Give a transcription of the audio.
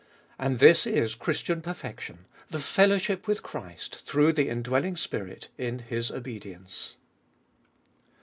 And this is Christian perfection — the fellowship with Christ, through the indwelling Spirit, in His obedience.